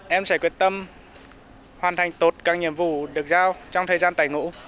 em sẽ quyết tâm hoàn thành tốt các nhiệm vụ được giao trong thời gian tại ngũ